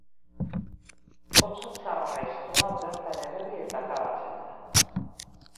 Otso tzar gaiztoa bertan erori eta akabatzen da.